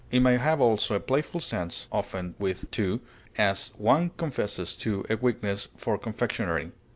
It may have also a playful sense (often with to); as, one confesses to a weakness for confectionery.